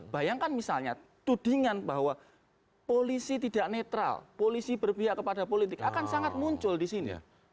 bayangkan misalnya tudingan bahwa polisi tidak netral polisi berpihak kepada politik akan sangat muncul di sini